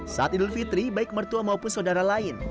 saat idul fitri baik mertua maupun saudara lain